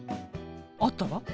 あったわ。